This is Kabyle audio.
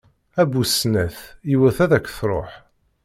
A bu snat, yiwet ad ak-tṛuḥ!